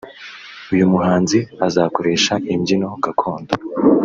uyu muhanzi azakoresha imbyino gakondo